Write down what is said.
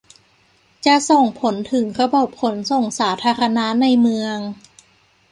จะส่งผลถึงระบบขนส่งสาธารณะในเมือง